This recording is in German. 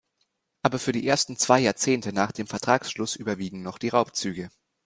Aber für die ersten zwei Jahrzehnte nach dem Vertragsschluss überwiegen noch die Raubzüge.